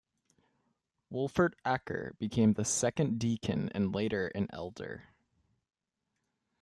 Wolfert Acker became the second deacon and later, an Elder.